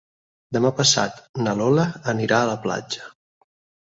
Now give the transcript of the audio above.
Demà passat na Lola anirà a la platja.